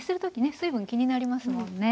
水分気になりますもんね。